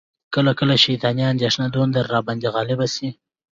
کله کله شیطاني اندیښنه دونه را باندي غالبه سي،